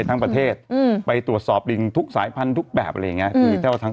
ทั้งประเทศอืมไปตรวจสอบลิงทุกสายพันธุ์ทุกแบบอะไรอย่างเงี้คือเจ้าทั้ง